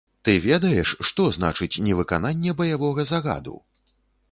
Ты ведаеш, што значыць невыкананне баявога загаду?